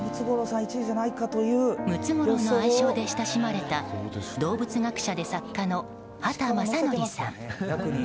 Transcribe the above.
ムツゴロウの愛称で親しまれた動物学者で作家の畑正憲さん。